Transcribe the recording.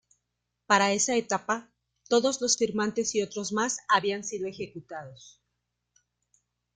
Para esa etapa, todos los firmantes y otros más habían sido ejecutados.